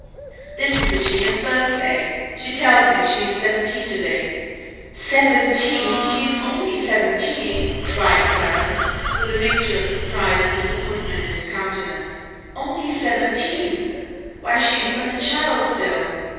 "This is Virginia's birthday she tells me she is seventeen to day." "Seventeen! is she only seventeen?" cried Clarence, with a mixture of surprise and disappointment in his countenance "Only seventeen! Why she is but a child still."